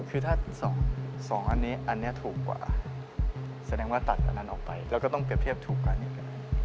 คือถ้า๒อันนี้อันนี้ถูกกว่าแสดงว่าตัดอันนั้นออกไปแล้วก็ต้องเรียบเทียบถูกกว่าอันนี้เป็น